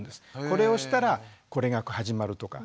これをしたらこれが始まるとか。